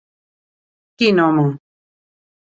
Quin home!